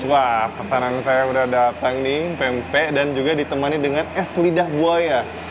wah pesanan saya udah datang nih pempek dan juga ditemani dengan es lidah buaya